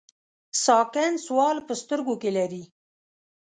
ساکن سوال په سترګو کې لري.